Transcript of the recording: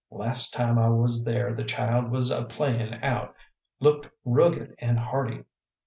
Last time I was there the child was a playin' out; looked rugged and hearty.